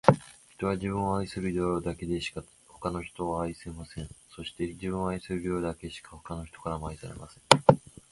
人は、自分を愛せる量だけしか、他の人を愛せません。そして、自分を愛せる量だけしか、他の人からも愛されません。